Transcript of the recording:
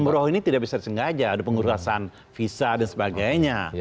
umroh ini tidak bisa disengaja ada pengurusan visa dan sebagainya